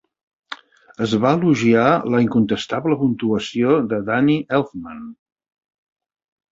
Es va elogiar la incontestable puntuació de Danny Elfman.